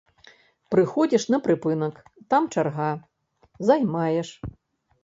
Прыходзіш на прыпынак, там чарга, займаеш.